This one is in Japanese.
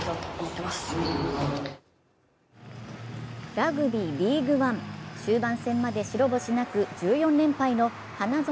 ＲＵＧＢＹＬＥＡＧＵＥＯＮＥ、終盤戦まで白星なく、１４連敗の花園